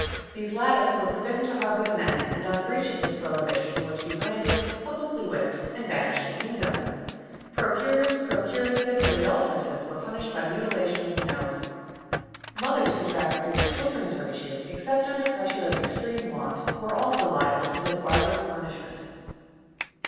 These latter were forbidden to harbor the men, and on breach of this prohibition were to be branded, publicly whipped, and banished the kingdom. Procurers, procuresses, and adulteresses were punished by mutilation of the nose. Mothers who trafficked in their children's virtue, except under pressure of extreme want, were also liable to this barbarous punishment.